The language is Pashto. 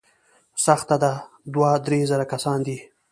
سخته ده، دوه، درې زره کسان دي.